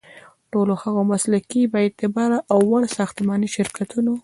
ټولو هغو مسلکي، بااعتباره او وړ ساختماني شرکتونو